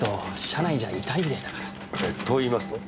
社内じゃ異端児でしたから。と言いますと？